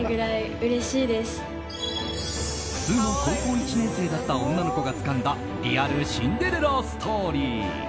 普通の高校１年生だった女の子がつかんだリアルシンデレラストーリー。